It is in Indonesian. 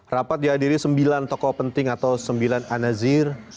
rapat dihadiri sembilan tokoh penting atau sembilan anasir